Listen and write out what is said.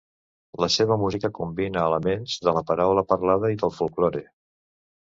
La seva música combina elements de la paraula parlada i del folklore.